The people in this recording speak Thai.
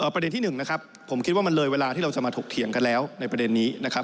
ประเด็นที่หนึ่งนะครับผมคิดว่ามันเลยเวลาที่เราจะมาถกเถียงกันแล้วในประเด็นนี้นะครับ